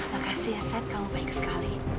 makasih ya seth kamu baik sekali